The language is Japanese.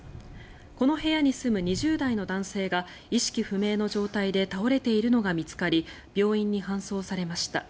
この部屋に住む２０代の男性が意識不明の状態で倒れているのが見つかり病院に搬送されました。